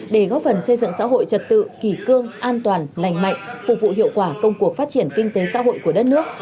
để góp phần xây dựng xã hội trật tự kỳ cương an toàn lành mạnh phục vụ hiệu quả công cuộc phát triển kinh tế xã hội của đất nước